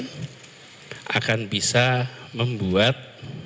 kami akan bisa membuat